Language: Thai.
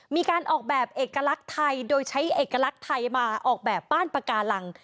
มีการออกแบบเอกลักษณ์ไทยโดยใช้เอกลักษณ์ไทยมาออกแบบบ้านปากาลัง